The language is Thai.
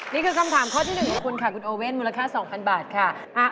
นี่คือคำถามข้อที่๑ของคุณค่ะคุณโอเว่นมูลค่า๒๐๐บาทค่ะ